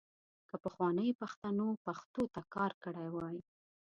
که پخوانیو پښتنو پښتو ته کار کړی وای .